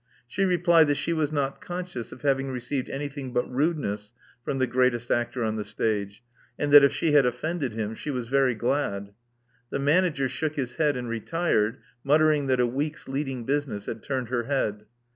She replied that she was not conscious of having received anything but rudeness from the greatest actor on the stage, and that if she had offended him she was very glad. The manager shook his head and retired, muttering that a week's leading business had turned her head.